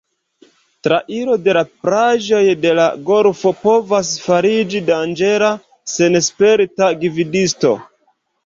Trairo de la plaĝoj de la golfo povas fariĝi danĝera sen sperta gvidisto.